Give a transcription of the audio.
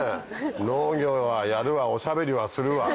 農業はやるわおしゃべりはするわ。